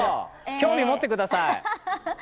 興味もってください。